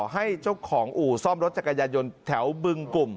ให้เจ้าของอู่ซ่อมรถจักรยานยนต์แถวบึงกลุ่ม